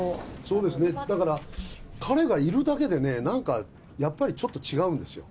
そうですね、だから、彼がいるだけでね、なんかやっぱりちょっと違うんですよ。